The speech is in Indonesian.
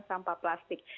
pembakaran sampah plastik